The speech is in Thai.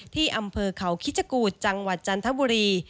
ที่อำเภอเขาคิชกูธจังหวัดจันทบุรี